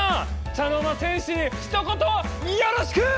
茶の間戦士にひと言よろしく！